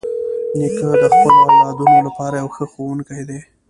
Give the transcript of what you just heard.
نیکه د خپلو اولادونو لپاره یو ښه ښوونکی دی.